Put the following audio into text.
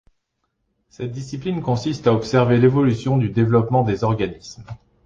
Cette discipline consiste à observer l’évolution du développement des organismes.